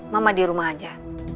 mama di rumah aja